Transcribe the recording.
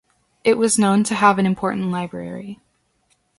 It was known to have an important library.